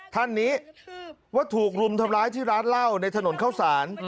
ท่านนี้ว่าถูกรุมทำร้ายที่ร้านเหล้าในถนนเข้าสาร